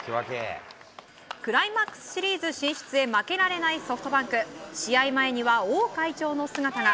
クライマックスシリーズ進出へ負けられないソフトバンク。試合前には王会長の姿が。